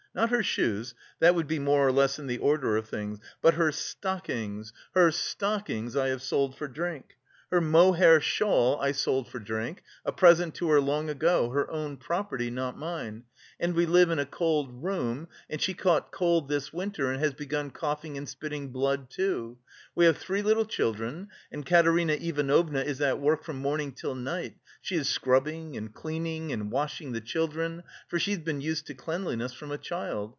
Not her shoes that would be more or less in the order of things, but her stockings, her stockings I have sold for drink! Her mohair shawl I sold for drink, a present to her long ago, her own property, not mine; and we live in a cold room and she caught cold this winter and has begun coughing and spitting blood too. We have three little children and Katerina Ivanovna is at work from morning till night; she is scrubbing and cleaning and washing the children, for she's been used to cleanliness from a child.